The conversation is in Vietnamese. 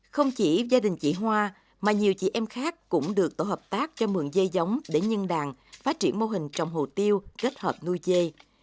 không chỉ gia đình chị hoa mà nhiều chị em khác cũng được tổ hợp tác cho mượn dây giống để nhân đàn phát triển mô hình trồng hồ tiêu kết hợp nuôi dê